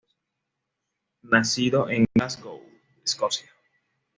Nacido en Glasgow, Escocia.